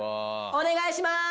お願いします！